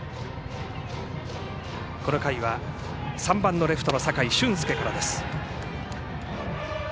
この回は３番のレフトの酒井駿輔からです。